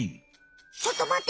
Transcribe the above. ちょっとまって！